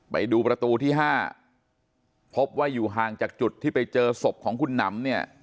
ไปดูประตูที่๕พบว่าอยู่ห่างจากจุดที่ไปเจอศพของคุณหนำเนี่ย